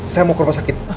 saya mau ke rumah sakit